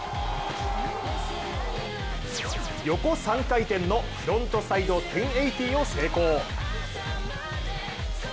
横３回転のフロントサイド１０８０を成功。